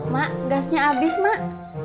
mak gasnya abis mak